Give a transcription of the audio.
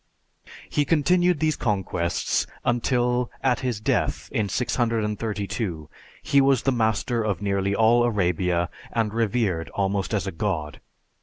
He continued these conquests until, at his death, in 632, he was the master of nearly all Arabia and revered almost as a god.